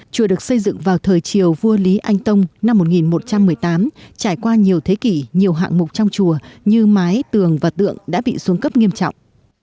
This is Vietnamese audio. chùa được xây dựng vào thời chiều vua lý anh tông năm một nghìn một trăm một mươi tám trải qua nhiều thế kỷ nhiều hạng mục trong chùa như mái tường và tượng đã bị xuống cấp nghiêm trọng